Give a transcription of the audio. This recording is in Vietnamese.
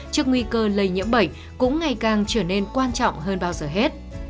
trước nguy cơ lây nhiễm bệnh cũng ngày càng trở nên quan trọng hơn bao giờ hết